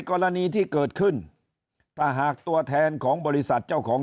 กรณีที่เกิดขึ้นถ้าหากตัวแทนของบริษัทเจ้าของ